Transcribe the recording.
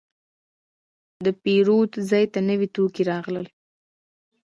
د پیرود ځای ته نوي توکي راغلل.